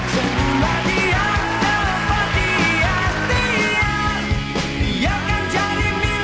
setiap yang dapat di hati dia akan jadi milikmu selamanya